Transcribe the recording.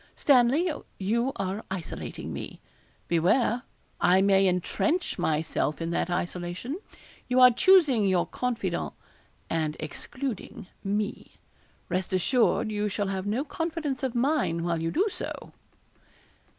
Stanley, you are isolating me. Beware I may entrench myself in that isolation. You are choosing your confidant, and excluding me; rest assured you shall have no confidence of mine while you do so.'